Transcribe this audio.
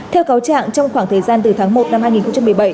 theo cáo trạng trong khoảng thời gian từ tháng một năm hai nghìn một mươi bảy